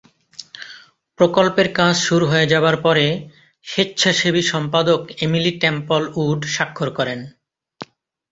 প্রকল্পের কাজ শুরু হয়ে যাবার পরে, স্বেচ্ছাসেবী সম্পাদক এমিলি টেম্পল-উড স্বাক্ষর করেন।